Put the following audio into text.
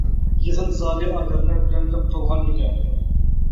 يىغىن زالى ئادەملەر بىلەن لىق تولغان ئىدى.